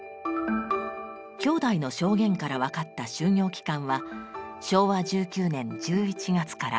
兄弟の証言から分かった就業期間は昭和１９年１１月から２０年９月まで。